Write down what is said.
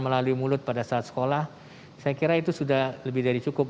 melalui mulut pada saat sekolah saya kira itu sudah lebih dari cukup